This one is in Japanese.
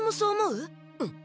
うん。